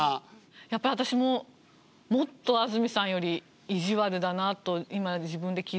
やっぱり私ももっと安住さんより意地悪だなと今自分で気付いたのは。